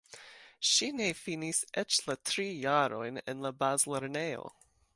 Ŝi ne finis eĉ la tri jarojn en la bazlernejo.